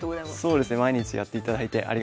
そうですね毎日やっていただいてありがとうございます。